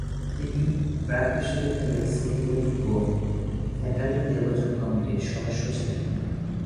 তিনি ব্র্যাক বিশ্ববিদ্যালয়ের সিন্ডিকেট ও ফ্যাকাল্টি নির্বাচন কমিটির সদস্য ছিলেন।